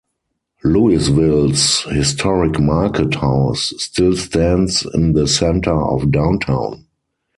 Louisville's historic market house still stands in the center of downtown.